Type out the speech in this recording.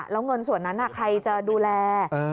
แล้วเงินส่วนนั้นใครจะดูแล